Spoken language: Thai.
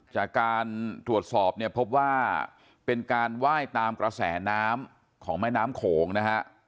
จากการตรวจสอบเนี่ยพบว่าเป็นการไหว้ตามกระแสน้ำของแม่น้ำโขงนะฮะ